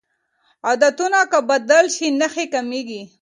عادتونه که بدل شي نښې کمېږي.